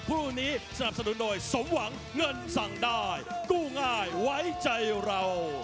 คู่นี้สนับสนุนโดยสมหวังเงินสั่งได้กู้ง่ายไว้ใจเรา